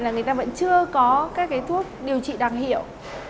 là người ta vẫn chưa có các thuốc điều trị đặc hiệu